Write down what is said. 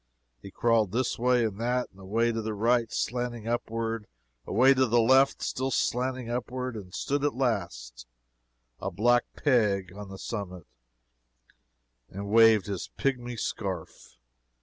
He crawled this way and that away to the right, slanting upward away to the left, still slanting upward and stood at last, a black peg on the summit, and waved his pigmy scarf!